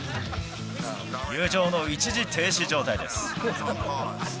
友情の一時停止状態です。